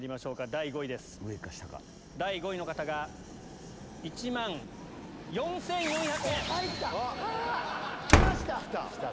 第５位の方が１万４４００円。来ました！来た。